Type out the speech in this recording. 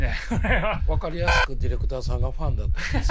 分かりやすくディレクターさんがファンだったんです。